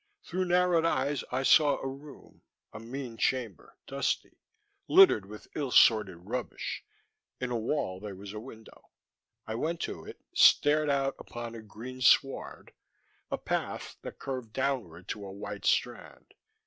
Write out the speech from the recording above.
Through narrowed eyes I saw a room, a mean chamber, dusty, littered with ill assorted rubbish. In a wall there was a window. I went to it, stared out upon a green sward, a path that curved downward to a white strand.